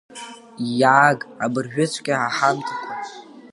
Иааг абыржәыҵәҟьа аҳамҭақәа!